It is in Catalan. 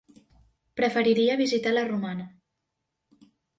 Preferiria visitar la Romana.